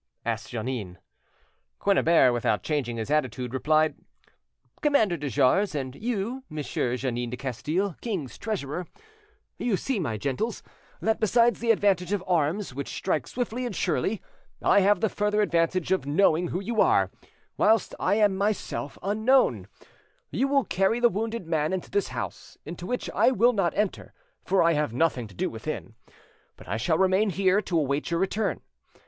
asked Jeannin. Quennebert, without changing his attitude, replied— "Commander de Jars, and you, Messire Jeannin de Castille, king's treasurer,—you see, my gentles, that besides the advantage of arms which strike swiftly and surely, I have the further advantage of knowing who you are, whilst I am myself unknown,—you will carry the wounded man into this house, into which I will not enter, for I have nothing to do within; but I shall remain here; to await your return.